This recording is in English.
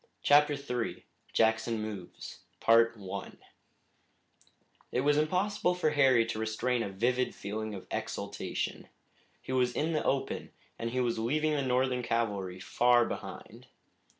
CHAPTER III JACKSON MOVES It was impossible for Harry to restrain a vivid feeling of exultation. He was in the open, and he was leaving the Northern cavalry far behind.